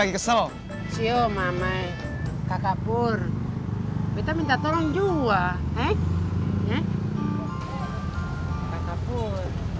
kekapur minta tolong jual